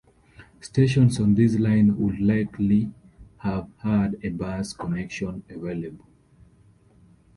Stations on this line would likely have had a bus connection available.